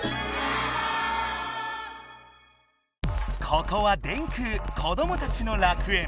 ここは電空子どもたちの楽園。